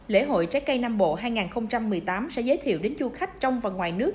lễ hội trái cây nam bộ hai nghìn một mươi tám sẽ giới thiệu đến du khách trong và ngoài nước